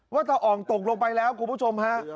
ว่าถ้าอ่องตกลงไปแล้วคุณผู้ชมฮะ